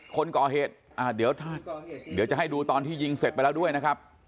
คนก่อเหตุเดี๋ยวจะให้ดูตอนที่ยิงเสร็จไปแล้วด้วยนะครับ